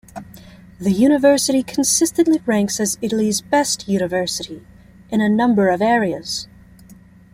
The university consistently ranks as Italy's best university in a number of areas.